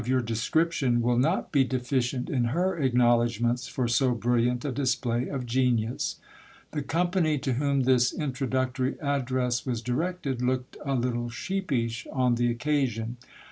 55 your description, will not be deficient in her acknowledgments for so brilliant a display of genius. The company to whom this introductory address was directed, looked a little sheepish on the occasion.